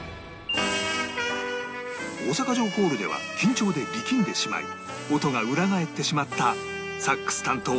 大阪城ホールでは緊張で力んでしまい音が裏返ってしまったサックス担当